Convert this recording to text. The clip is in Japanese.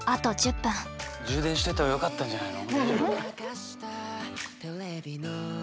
充電しといた方がよかったんじゃないの？